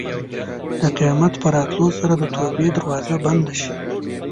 د قیامت په راتلو سره د توبې دروازه بنده نه شي.